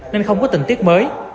nên không có tình tiết mới